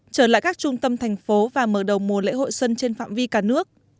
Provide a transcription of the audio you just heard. trở lại các trung tâm thành phố và mở đầu mùa lễ hội xuân trên phạm vi cả nước